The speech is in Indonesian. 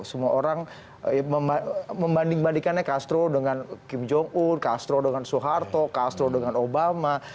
semua orang membanding bandingkannya castro dengan kim jong un castro dengan soeharto castro dengan obama